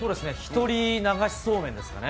１人流しそうめんですかね。